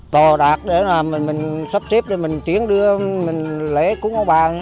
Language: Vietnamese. tò đạt để mình sắp xếp để mình chiến đưa mình lễ cúng ông bà